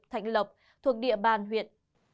thạnh lộc thuộc địa bàn huyện